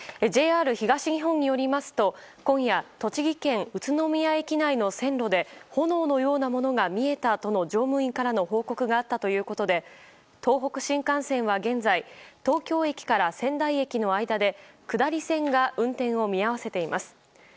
ＪＲ東日本によりますと今夜、栃木県宇都宮駅内の線路で炎のようなものが見えたとの乗務員からの報告があったということで東北新幹線は現在東京駅から仙台駅の間で下り線が運転を見合わせています。